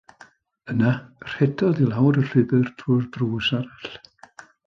Yna rhedodd i lawr y llwybr drwy'r drws arall.